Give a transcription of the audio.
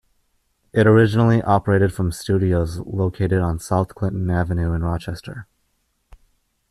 It originally operated from studios located on South Clinton Avenue in Rochester.